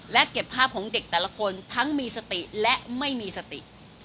และเก็บภาพของเด็กแต่ละคนทั้งมีสติและไม่มีสติ